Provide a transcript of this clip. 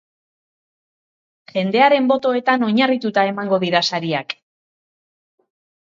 Jendearen botoetan oinarrituta emango dira sariak.